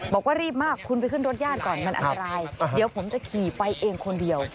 บอกว่ารีบมากคุณไปขึ้นรถญาติก่อนมันอันตรายเดี๋ยวผมจะขี่ไปเองคนเดียว